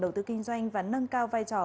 đầu tư kinh doanh và nâng cao vai trò